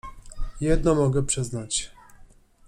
— Jedno mogę przyznać.